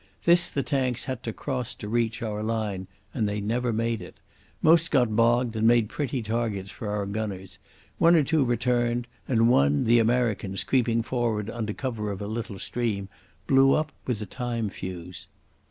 This the tanks had to cross to reach our line, and they never made it. Most got bogged, and made pretty targets for our gunners; one or two returned; and one the Americans, creeping forward under cover of a little stream, blew up with a time fuse.